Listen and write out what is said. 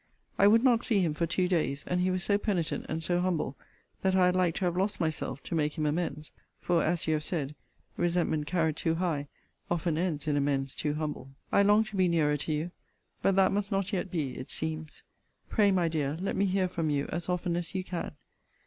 I would not see him for two days, and he was so penitent, and so humble, that I had like to have lost myself, to make him amends: for, as you have said, resentment carried too high, often ends in amends too humble. I long to be nearer to you: but that must not yet be, it seems. Pray, my dear, let me hear from you as often as you can.